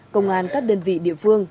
công an các đơn vị địa phương